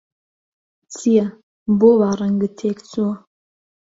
چییە، بۆ وا ڕەنگت تێکچووە؟